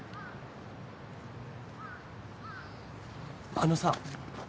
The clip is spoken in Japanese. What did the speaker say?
あのさ。